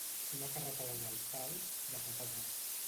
Una carretada d'alfals, de patates.